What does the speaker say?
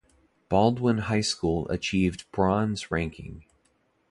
Baldwin High School achieved Bronze ranking.